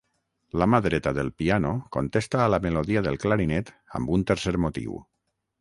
La mà dreta del piano contesta a la melodia del clarinet amb un tercer motiu.